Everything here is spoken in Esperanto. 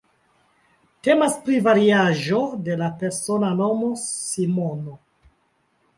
Temas pri variaĵo de la persona nomo Simono.